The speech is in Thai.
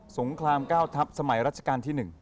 งคราม๙ทัพสมัยรัชกาลที่๑